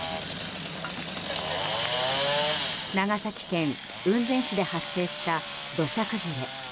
長崎県雲仙市で発生した土砂崩れ。